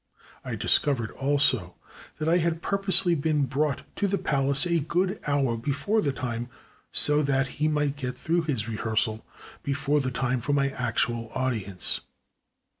I discovered also that I had purposely been brought to the palace a good hour before the time, so that he might get through his re hearsal before the time for my actual audience.